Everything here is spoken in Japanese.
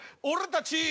俺たち！